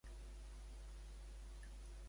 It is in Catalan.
De què està segur Sánchez?